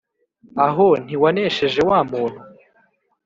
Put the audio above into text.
aho ntiwanesheje wa muntu !